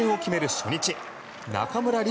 初日中村輪